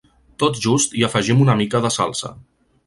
Tot just hi afegim una mica de salsa.